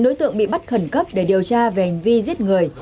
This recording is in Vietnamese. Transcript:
một mươi chín đối tượng bị bắt khẩn cấp để điều tra về hành vi giết người